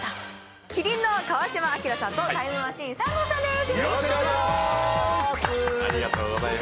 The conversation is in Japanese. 麒麟の川島明さんと、タイムマシーン３号さんです。